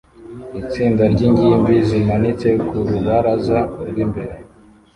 Itsinda ryingimbi zimanitse ku rubaraza rwimbere